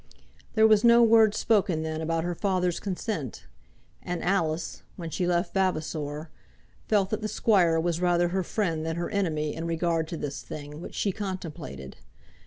There was no word spoken then about her father's consent; and Alice, when she left Vavasor, felt that the squire was rather her friend than her enemy in regard to this thing which she contemplated.